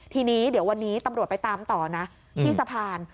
ทีนี้เดี๋ยววันนี้ตำรวจไปตามต่อนะที่สะพาน